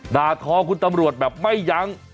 ด่าทอคุณตำรวจแบบไม่ยั้ง